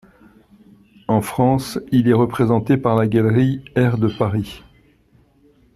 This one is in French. En France, il est représenté par la galerie Air de Paris.